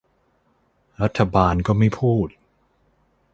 รัฐบาลก็ไม่พูด